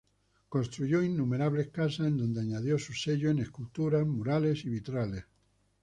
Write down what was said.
Construyó innumerables casas en donde añadió su sello en esculturas, murales y vitrales.